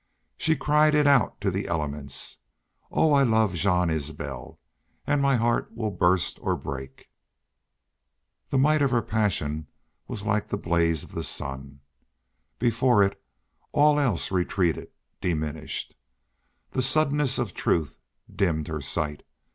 She cried it out to the elements. "Oh, I love Jean Isbel an' my heart will burst or break!" The might of her passion was like the blaze of the sun. Before it all else retreated, diminished. The suddenness of the truth dimmed her sight.